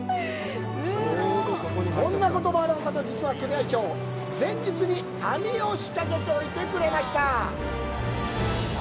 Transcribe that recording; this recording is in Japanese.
こんなこともあろうかと、実は、組合長、前日に網を仕掛けておいてくれました。